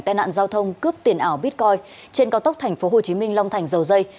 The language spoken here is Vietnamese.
tai nạn giao thông cướp tiền ảo bitcoin trên cao tốc tp hcm long thành dầu dây